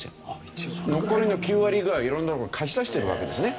残りの９割ぐらいは色んなところに貸し出してるわけですね。